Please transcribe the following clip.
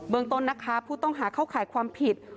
เมืองต้นนะคะผู้ต้องหาเข้าข่ายความผิด